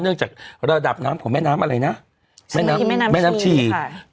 จากระดับน้ำของแม่น้ำอะไรนะแม่น้ำแม่น้ำชีค่ะ